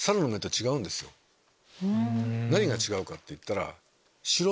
何が違うかっていったら。